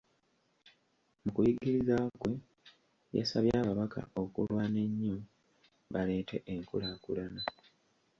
Mu kuyigiriza kwe, yasabye ababaka okulwana ennyo baleete enkulaakulana.